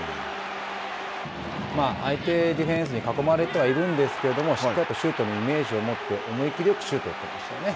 相手ディフェンスに囲まれてはいるんですけど、しっかりとシュートのイメージを持って、思いきりよくシュートを打っていましたね。